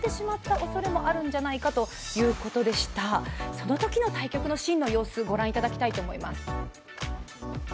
そのときの対決のシーン、ご覧いただきたいと思います。